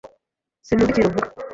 Sinumva ikintu uvuga.